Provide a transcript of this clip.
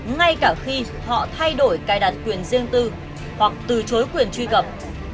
ngay cả khi họ thay đổi cài đặt quyền riêng tư hoặc từ chối quyền truy cập